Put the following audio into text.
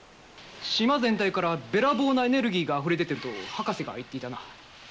島全体からべらぼうなエネルギーがあふれ出てると博士が言っていたな。